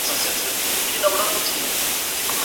بدلولو سره به د هغو قومونو ترکیب بدل سي، چي